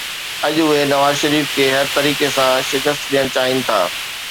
اڄ اهي نواز شريف کي هر طريقي سان شڪست ڏيڻ چاهين ٿا